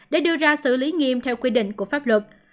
để đưa ra xử lý nghiêm theo quy định của pháp luật